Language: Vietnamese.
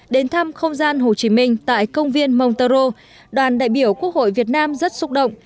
đến thăm không gian hồ chí minh tại công viên montreux đoàn đại biểu quốc hội việt nam rất xúc động